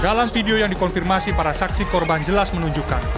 dalam video yang dikonfirmasi para saksi korban jelas menunjukkan